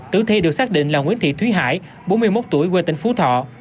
tử thi được xác định là nguyễn thị thúy hải bốn mươi một tuổi quê tỉnh phú thọ